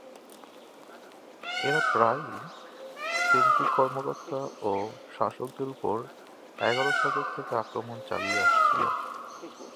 এরা প্রায়ই সেলজুক কর্মকর্তা ও শাসকদের উপর এগার শতক থেকে আক্রমণ চালিয়ে আসছিল।